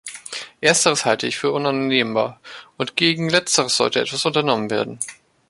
Ersteres halte ich für unannehmbar, und gegen Letzteres sollte etwas unternommen werden.